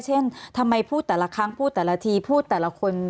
ทำไมพูดแต่ละครั้งพูดแต่ละทีพูดแต่ละคน